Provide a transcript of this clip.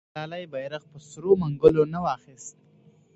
ملالۍ بیرغ په سرو منګولو نه و اخیستی.